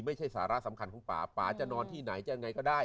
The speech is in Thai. ไม่ใช่สาระสำคัญของป่าป่าจะนอนที่ไหนจะยังไงก็ได้